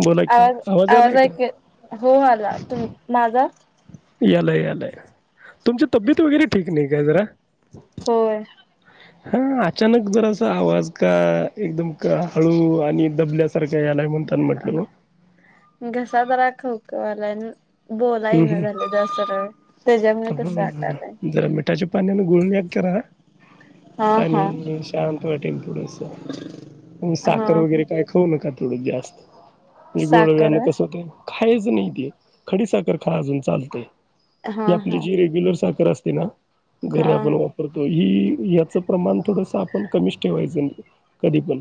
बोला की आवाज आवाज यालाय का ऐक हो मला तुम माझा यालाय यालाय तुमची तब्येत वगैरे ठीक नाही काय जरा. होय हा अचानक जर असा आवाज का? एकदम का हळू आणि दबल्यासारखा यालाय म्हण त्यांना म्हटलं ग. तवाला बोलाय ईना हम्म झालं जास्त करून त्याज्यामूळ तशी वाटालंय. हम्म जरा मिठाच्या पाण्याने गुळ व्याग करा हा हा आणि शांत वाटे पुढं अस. आणिण साखर हा वगैरे काय खाऊ नका थोडं जास्त म्हणजे साखर गोडव्यान कस व्हय हो ते खायच नाही ते खडीसाखर खा अजून चालते. हा ही आपली हा जी रेग्युलर साखर असते ना हा घरी आपण वापरतोय. ही याचं प्रमाण थोडस आपण कमीच ठेवायचं कधी पण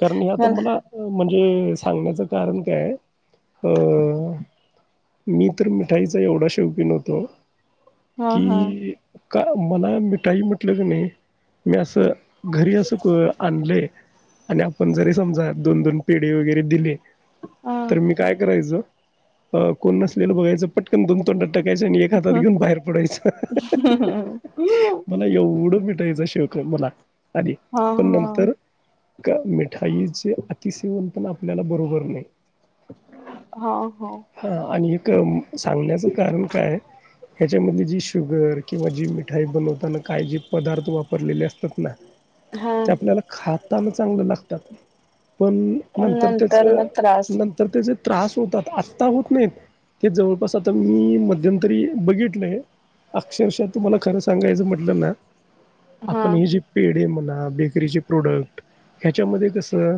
करणी ही आता मला. म्हणजे सांगण्याच कारण काय अ. मी तर मिठाईचा एवढा शौकीन होतो हा हा की का मला मिठाई म्हटलं की नाही मी असं. घरी अस आणलय आणि आपण जरी समजा दोन दोन पेढ वगैरे दिले हा तर मी काय करायचं. कोण नसलेलं बघायं पटकन दोन तोंड टाकायच आणि एक हातात हा घेऊन बाहेर पडायचं मला एवढं मिेठाइचा शोक. मला आधी पण नंतर का मिळ. ठाईचे अतिसेेवन पण आपल्याला बरोबर नाही. हा आणि एक सांगण्याचं कारण काय. ह्याच्यामध्ये जी शुगर किंवा जी मिठाई बनवताना काय जे पदार्थ वापरलेले असतात ना. हा ते आपल्याला खाताना चांगलं लागतात. पण नंतर त्याचं नंतर त्याच. त्रास होतात आता होत नाहीत ते जवळपास आ. मी मध्यंतरी बघितलंय अक्षरशः तुम्हाला खरं सांगायचं म्हटलं ना. हा आपण ह जी पेडे मना. बेकरीचे प्रोडक्ट ह्याच्यामध्ये कसं.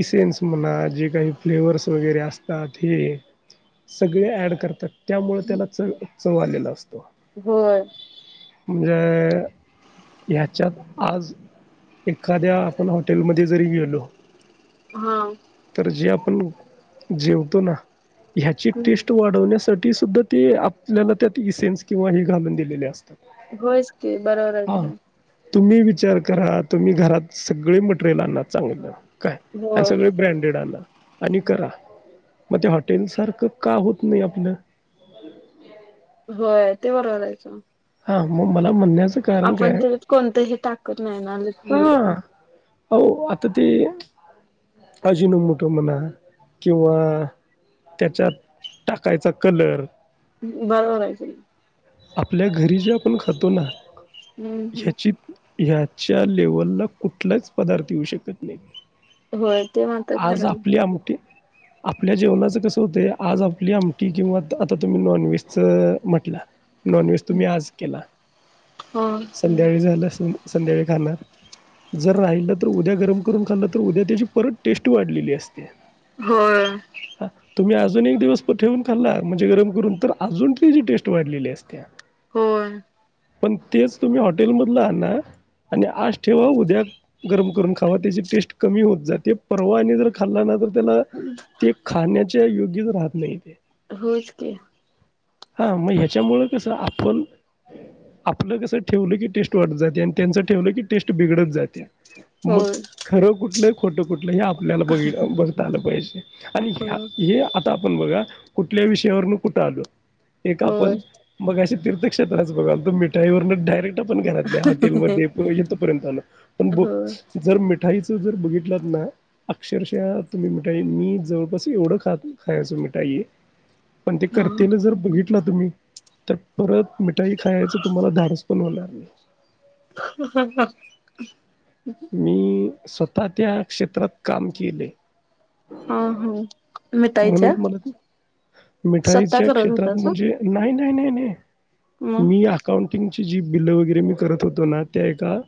इसेन्स म्हणा जे काही फ्लेवर्स वगैरे असतात हे. सगळे ऍड करतात त्यामुळे त्याला च चव आलेला असतो. हो. ज. ह्याच्यात आज एखाद्या आपण हॉटेलमध्ये जरी गेलो. हा. तर जे आपण जेवतो ना ह्याची हम्म टेस्ट वाढवण्यासाठी. ती सुद्धा ती आपल्याला त्यात इई सेन्स किंवा हे घालून दिलेली असतात. होयच की हा बरोबरच. तुम्ही विचार करा तुम्ही घरात सगळे मटेरियल आणा चांगलं. काय आणि होय सगळे ब्रँड. आणि करा मग त्या हॉटेल सारखं का होत नाही आपलं. होय ते बरोबर आहे कीं मग. हा मग मला म्हणण्याच. आपण त्यात कोणतंही टाकत नाही ना हा लिक्विड. हो आता ते अजिनो मुठो म्हणा किंवा. त्याच्यात टाकायचा कलर. बरोबरयच. आपल्या घरी जे आपण खातो ना हम्म हम्म ह्याची. ह्याच्या लेवलला कुठलाच पदार्थ येऊ शकत नाही. होय ते मात्र आज खरं आपली आहे आमठीे. आपल्या जेवणाचं कसं होते आज आपली आमटी किंवा आता तुम्ही नॉनव्हेजच म्हटलं. नॉन व्हेज तुम्ही आज केला होय संध्याकाळी झाला संध्याकाळी खाणार. जर राहिलं तर उद्या गरम करून खाल्लं तर उद्या त्याची परत टेस्ट वाढलेली असते. होय. हा तुम्ही अजून एक दिवस प ठेवून खल्ला म्हणजे गरम करून तर अजून त जी टेस्ट वाढलेली अस त्या. होय. पण तेच तुम्ही हॉटेलमधलं आह ना. आणि आश ठेवा उद्या गरम करून खावा त्याची टेस्ट कमी होत जाते परवा आणि जर खाल्ला ना तर. त्याला ते खाण्याच्या योग्यच राहत नाही ते. होयाचकी. हा मग ह्याच्यामु. कस आपण आपलं कसं ठेवलं की टेस्ट वाटत जाते आणि त्यांच ठेवलं की टेस्ट बिडत जाते मग होय खरं कुठल आणि खोट कुठल हे आपल्याला बघता आलं पाहिजे आणि होय आपण बघा कुठल्या विषयावरून कुठं आलो एक आपण होय तीर्थक्षेत्राचा बघालतो घरातल्या मिठाईवरून डायरेक्ट आपण हॉटेल पर्यंत आलो होय पण मिठाईचा जर बघितलात ना अक्षरशः तुम्ही मिठाई मी जवळपास एवढं खात खायचो मिठाई पण ते हा करताना जर बघितला तुम्ही तर परत मिठाई खायचं तुम्हाला धाडस पण होणार नाही ह ह मी स्वतः त्या क्षेत्रात काम केले हा हम् म्हणून मिठाईच्या मला ते स्वतः मिठाईच्या करत क्षेत्रात होतासा म्हणजे नाही नाही नाही नाही मग मी अकाउंटिंग ची जी बिल्ल वगैरे मी करत होतो ना त्या एका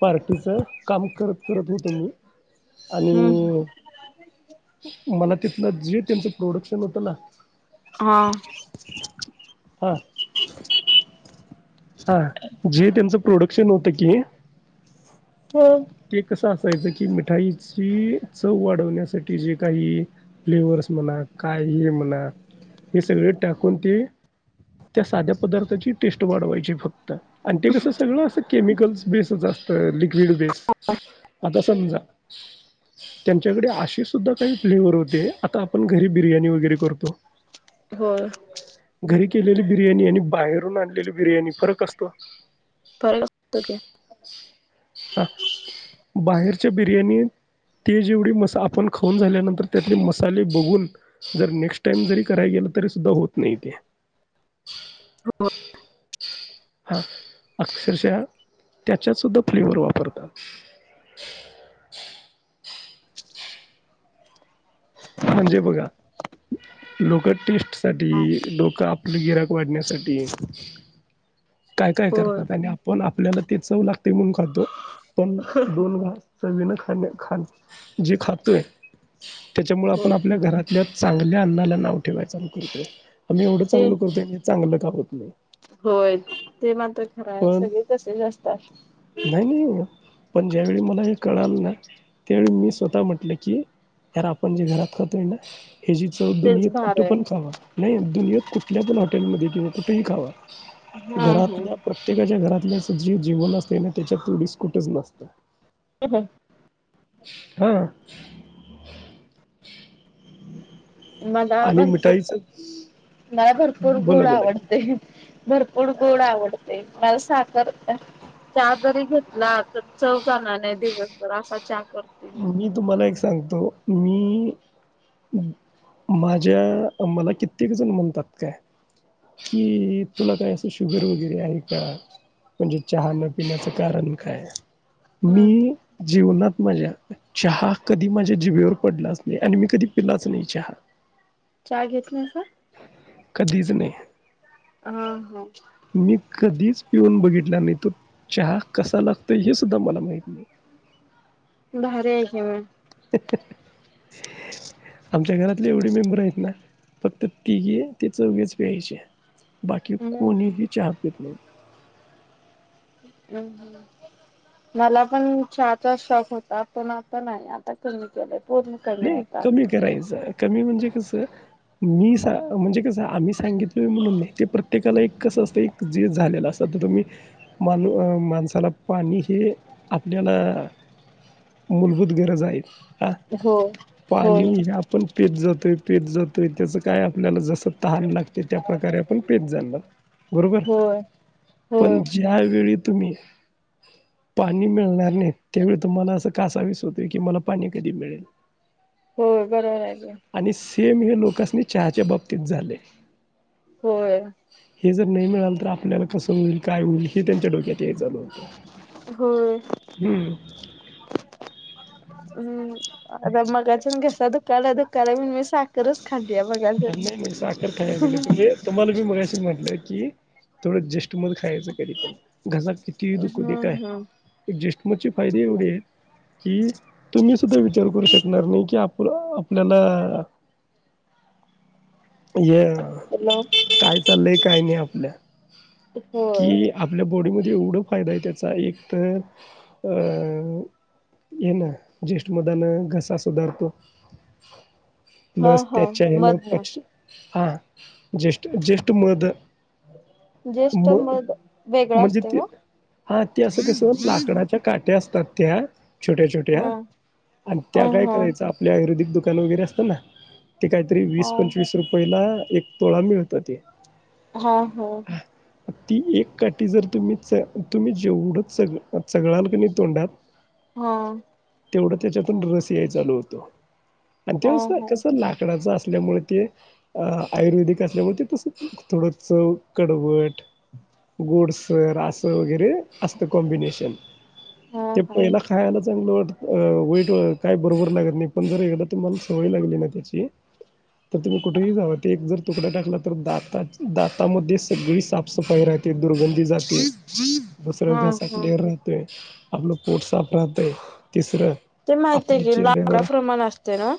पार्क तिच काम करत करत होत मी आणि हम्म मला तिथलं जे त्यांचं प्रोडक्शन होतं ना हा हा हा जे त्यांचं प्रोडक्शन होतं की होय ते कसं असायचं की मिठाईची चव वाढवण्यासाठी जे काही फ्लेवर्स म्हणा काय हे म्हणा हे सगळे टाकून ते त्या साध्या पदार्थाची टेस्ट वाढवायची फक्त आणि ते कसं सगळं अस केमिकल्स बेसच असतं लिक्विड बेस आता समजा त्यांच्याकडे अशे सुुद्धा काही फ्लेवर होते आता आपण घरी बिर्याणी वगैरे करतो हो घरी केलेली बिर्याणी आणि बाहेरून आणलेली बिर्याणी फरक असतो फरक असतो की हा बाहेरच्या बिर्याणी ते जेवढी मसाले आपण खाऊन झाल्यानंतर त्यातले मसाले बघून जर नेक्स्ट टाइम जरी कराय गे तरी सुद्धा होत नाही ते हो हा अक्षरशः त्याच्यात सुुद्धा फ्लेवर वापरतात अ म्हणजे बघा लोक टेस्ट होय साठी लोक आपल गिराईक वाढण्यासाठी काय काय होय करतात आणि आपण आपल्याला तेच चव लागते म्हणून खाातो पण दोन घास चवीणं खा खा जे खातोय त्यांच्यामुळे आपण होय आपल्या घरातल्या चांगल्या अन्नाला नावं ठेवायला चालु करतो आम्ही एवढं ते चांगल करतोय चांगलं कावतो होय ते मात्र खरं आहे पण सगळे तसेच असतात नाही नाही पण ज्यावेळी मला हे कळाल ना त्यावेळी मी स्वतः म्हटलं की यार आपण जे घरात खोतोय ना ह्याची चव तेच दुनियेत भार कुठ आहे. पण खावा नाही दुनियेत कुठल्या पण हॉटेलमध्ये किंवा कुठेही खावा हा घरातल्या हा प्रत्येकाच्या घरात जे जीवन असते ना त्याच्या तोडीस कुठेच नसतं ह ह हा मला आणि भरपूर मिठाईच मला भरपूर बोला गोड बोला की आवडते भरपूर भरपूर गोड आवडते मला साखर चहा जरी घेतला तर चव जाणार नाही दिवसभर असा चहा करते मी तुम्हाला एक सांगतो मी माझ्या मला कित्येक जण म्हणतात काय कि तुला काय असं शुगर वगैरे आहे का म्हणजे चहा न पिण्याचं कारण काय हम्म मी हम्म जीवनात माझ्या चहा कधी माझ्या जिबेवर पडलाच नाही आणि मी कधी पिलाच नाही चहा चा घेत नाही सा कधीच नाही ह ह मी कधीच पिऊन बघितल्या आणि तो चहा कसा लागतोय हे सुद्धा मला माहित नाही भारी आहे की मग ही ही [unintelligible] आमच्या घरातले एवढे मेंबर आहेत ना फक्त तिघे ते चौघेच प्यायचे बाकी हम्म कोणीही चहा पित नव हम्म हम्म मला पण चहाचा शॉक होता पण आता नाही आता कमी केलं नाही कमी करायचं कमी म्हणजे कस मी म्हणजे कस आम्ही सांगितलो म्हणून नाही ते प्रत्येकाला एक कसं असतं एक जे झालेलं असत तुम्ही मानू माणसाला पाणी हे आपल्याला मूलभूत गरज आहे हा हो होय. पाणी हे आपण पेत जातोय पेत जातोय त्याच काय आपल्याला जस् तहान लागते त्या प्रकारे आपण पेत जाणार बरोबर होय होय पण ज्या वेळी तुम्ही पाणी मिळणार नाही त्यावेळी तुम्हाला असं कासावीस होत की मला पाणी कधी मिळेल होय बरोबर आहे की आणि सेम हे लोकसनी चहाच्या बाबतीत झाले होय हे जर नाही मिळाल तर आपल्याला कसं होईल काय होईल हे त्यांच्या डोक्यात याय चालू होतं होय हम्म हम्म आता मगाच्यान घसा दुकाला दुकाला म्हणून मी साखरच खाल्ली नाही नाही साखर खाय दिली तु तुम्हाला मी मगाशीच म्हटलं की थोडं जे् खायच कधी पण घसा कितीही दुखूदे हम्म काय हम्म मची फायद एवढी आहे की तुम्ही सुद्धा विचार करू शकणार नाही की आप आप आपल्याला ये हॅलो काय चाललंय काय नाही आपल्या होय कि आपल्या बॉडीमध्ये येवढ फायदा आहे त्याचा एक तर अ ये ना ज्येष्ठ मधान घसा सुधारतो हा लस हा त्याच्या हन प मधन हा जेष्ठ ज्येष्ठ मध ज्येष्ठ म मध वेगळं म्हणजे असते ते का हा ते असं कसं लाकडाच्या काट्या असत त्या छोट्या छोट्या हा हा त्या काय करायच आपल्या आयुर्वेदीय दुका दुकान वगैरे असतं ना ते काहीतरी वीस हा पंचवीस रुपयेला एक तोळा मिळत ते हा हा ती एक काठी जर तुम्ही तुम्ही जेवढं चगळाल कणी तोंडात हा तेवढं त्याच्यातून रस याय चालू होतो आणि हा त्यावेळस ना कसं लाकडाचं असल्यामुळे ते अ आयुर्वेदिक असल्यामुळे ते तस थोडं चव कडवट गोड सर आस वगैरे असत कॉम्बिनेशन हा हा ते हा पहिला खायला चांगलं वाट वाईट काय बरोबर लागत नाही पण जर एकदा तर मला सवय लागली ना त्याची [unintelligible] तर तुम्ही कुठेही जाव ते एक जर तुकडा टाकला तर दात दातामध्ये सगळी साफसफाई राहते. दुर्गंधी जाते दुसऱ्या हा घासातलेर राहतोय. आपल पोट साफ राहते. तिसरं ते माहित आहे आपल्या की लाकडा चिडेवर प्रमाण असते ना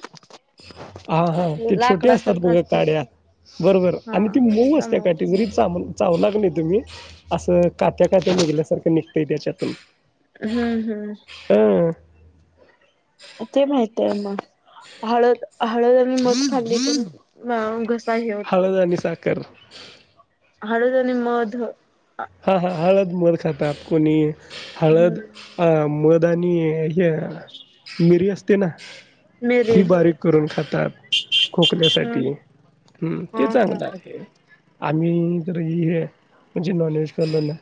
हा हा.. ते छोटे असतात लाकडासारखं बघ असते ते काड्या बरोबर हा आणि ती मऊ असत काट समज जरी चांमल.. चाव लाग नाही तुम्ही असं कात्या कात्या निघल्यासारखं निघतंय त्याच्यातून... हम्म हम्म... अं ते माहित आहे हळद हळद आही मध खाल्ली तर... घसा हे होतो हळद आणि साखर... हळद आणि मध... हा हा हळद मध खातात कोणी हळद अ मध आनी... मिरी असते ना मिरी ही बारीक करून खातात... हम्म खोकल्यासाठी हम ते हा हा चांगलं आहे. आम्ही त हे म्हणजे नॉन व्हेज करलो ना..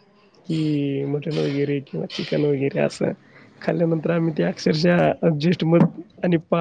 कि मटण वगैरे किंवा चिकन वगैरे असं खाल्ल्यानंतर आम्ही ते अक्षरशः जेष्ठ मध आणि पा